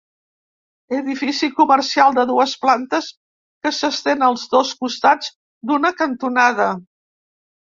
Edifici comercial de dues plantes que s'estén als dos costats d'una cantonada.